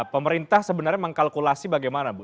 pemerintah sebenarnya mengkalkulasi bagaimana bu